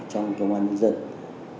trong công an nhân dân